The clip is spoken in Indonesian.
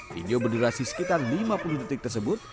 video berdurasi sekitar lima puluh detik tersebut